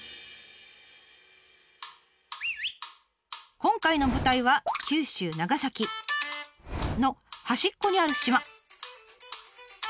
今回の舞台は九州長崎の端っこにある島。